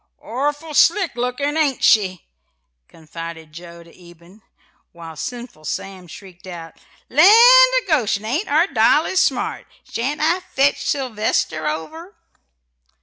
"Orful slick lookin', ain't she?" confided Joe to Eben; while sinful Sam shrieked out: "Land o' Goshen! ain't our Dolly smart? Shan't I fetch Sylvester over?"